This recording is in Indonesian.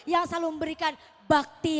yang selalu memberikan bakti